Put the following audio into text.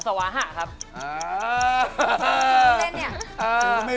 ทำมันเป็นเนี่ย